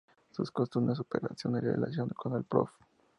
Su constante superación y la relación con el Prof.